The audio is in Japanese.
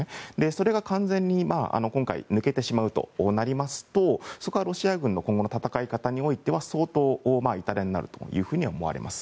それが完全に今回抜けてしまうことになりますとそこはロシア軍の今後の戦い方においては相当痛手になるとは思われます。